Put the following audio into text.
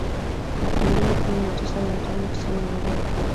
laki mbili kumi na tisa mia tano tisini na mbili